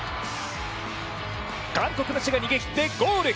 韓国のチェが逃げきってゴール。